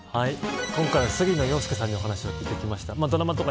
今回は杉野遥亮さんにお話を聞きました。